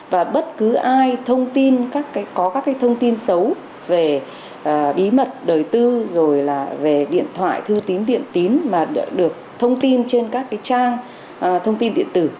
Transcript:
và bất cứ ai thông tin có các thông tin xấu về bí mật đời tư rồi là về điện thoại thư tín điện tín mà được thông tin trên các trang thông tin điện tử